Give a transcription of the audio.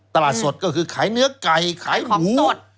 ตลาดสดก็คือขายเนื้อไก่ขายของสด